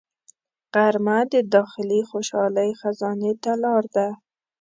غرمه د داخلي خوشحالۍ خزانې ته لار ده